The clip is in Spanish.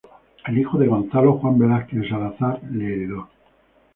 El hijo de Gonzalo, Juan Velazquez de Salazar, le heredó.